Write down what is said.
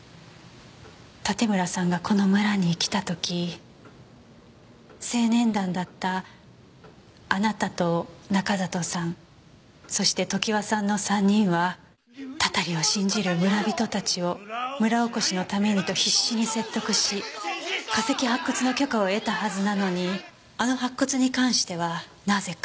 盾村さんがこの村に来た時青年団だったあなたと中里さんそして常盤さんの３人はたたりを信じる村人たちを村おこしのためにと必死に説得し化石発掘の許可を得たはずなのにあの白骨に関してはなぜか。